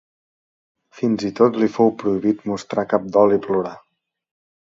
Fins i tot li fou prohibit mostrar cap dol i plorar.